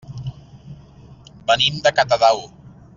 Venim de Catadau.